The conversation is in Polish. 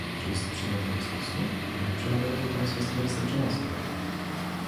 Czy jest to przedmiotem dyskusji i czy aby robią państwo z tego wystarczający problem?